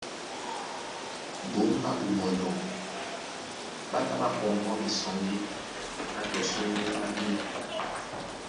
Ɓomé ɓá Ɓomɔnɔ ɓá tá ɓá pɔŋgɔ misɔŋgí ná tɔ sú íníŋgá ndé,